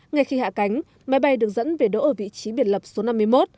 ngay khi hạ cánh máy bay được dẫn về đỗ ở vị trí biệt lập số năm mươi một